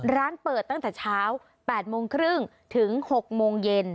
ร้านเปิดตั้งแต่เช้า๘โมงครึ่งถึง๖โมงเย็น